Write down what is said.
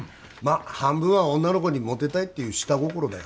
あ半分は女の子にモテたいっていう下心だよ